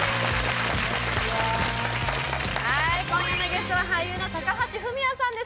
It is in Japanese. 今夜のゲストは俳優の高橋文哉さんです